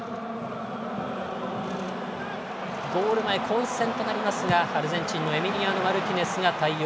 ゴール前混戦となりますがアルゼンチンのエミリアーノ・マルティネスが対応。